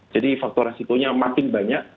jadi faktor resikonya makin banyak